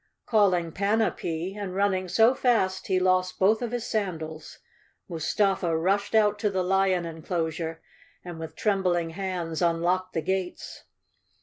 Calling Panapee, and running so fast he lost both of his sandals, Mustafa rushed out to the lion enclosure and with trembling hands unlocked the gates.